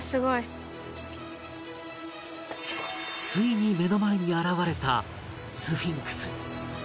ついに目の前に現れたスフィンクス